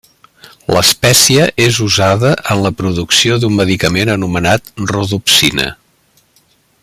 L'espècie és usada en la producció d'un medicament anomenat Rodopsina.